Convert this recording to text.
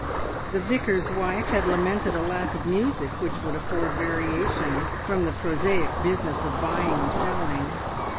The vicar's wife had lamented a lack of music which would afford variation from the prosaic business of buying and selling.